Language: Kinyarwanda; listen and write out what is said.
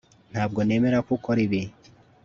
Ntabwo nemera ko ukora ibi